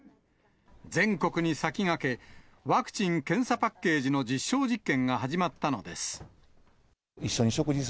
全国に先駆け、ワクチン・検査パッケージの実証実験が始まったのです。